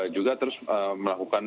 juga terus melakukan